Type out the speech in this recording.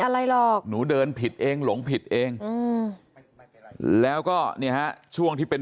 อะไรหรอกหนูเดินผิดเองหลงผิดเองอืมแล้วก็เนี่ยฮะช่วงที่เป็น